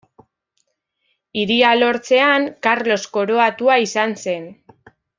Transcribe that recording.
Hiria lortzean, Karlos koroatua izan zen.